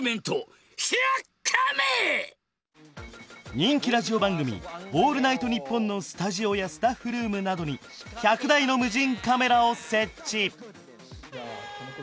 人気ラジオ番組「オールナイトニッポン」のスタジオやスタッフルームなどに１００台の無人カメラを設置。